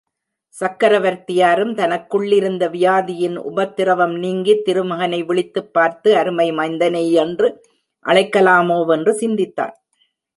சக்கரவர்த்தியாரும் தனக்குள்ளிருந்த வியாதியின் உபத்திரவம் நீங்கித் திருமகனை விழித்துப் பார்த்து அருமை மைந்தனேயென்று அழைக்கலாமோ வென்று சிந்தித்தான்.